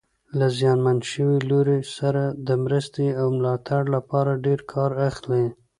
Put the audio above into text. له زیانمن شوي لوري سره د مرستې او ملاتړ لپاره ډېر کار اخلي.